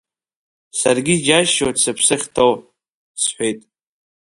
Саргьы иџьасшьоит сыԥсы ахьҭоу, – сҳәеит.